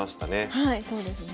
はいそうですね。